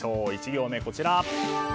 １行目、こちら。